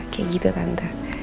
kayak gitu tante